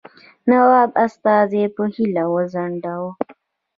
نواب استازی په هیله وځنډاوه.